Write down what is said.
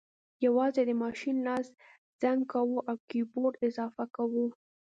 یوازې د ماشین لاس رنګ کوو او کیبورډ اضافه کوو